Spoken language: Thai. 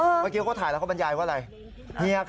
เมื่อกี้เขาถ่ายแล้วเขาบรรยายว่าอะไร